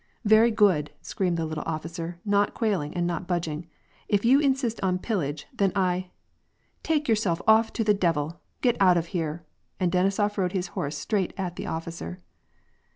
" Very good !" screamed the little officer, not quailing and not budging. " If you insist on pillage, then I "—" Take yourself off to the devil ! Get out of here !" and Denisof rode his horse straight at the officer.